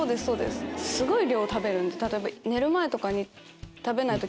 すごい量を食べるんで。